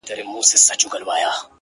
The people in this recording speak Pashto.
د توري شپې سره خوبونه هېرولاى نه ســم!!